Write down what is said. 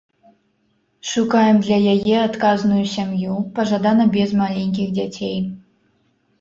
Шукаем для яе адказную сям'ю, пажадана без маленькіх дзяцей.